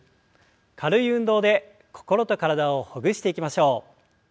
軽い運動で心と体をほぐしていきましょう。